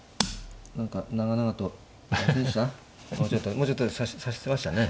もうちょっとで指してましたね。